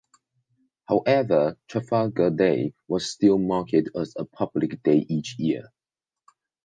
However, Trafalgar Day was still marked as a public day each year.